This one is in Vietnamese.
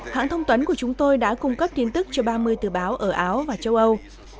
hãng thông tuấn của chúng tôi đã cung cấp tin tức cho ba mươi tờ báo ở áo và châu âu